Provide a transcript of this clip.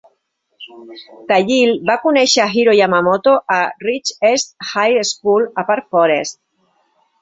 Thayil va conèixer Hiro Yamamoto a Rich East High School a Park Forest.